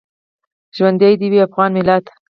ژوندی دې وي افغان ملت؟